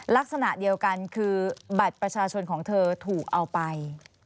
ลักษณะเดียวกันคือบัตรประชาชนของเธอถูกเอาไป